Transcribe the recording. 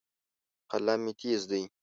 قلم مې تیز دی.